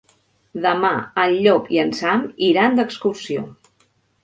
Demà en Llop i en Sam iran d'excursió.